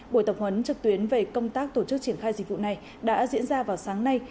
buổi tập huấn trực tuyến về công tác tổ chức triển khai dịch vụ này đã diễn ra vào sáng nay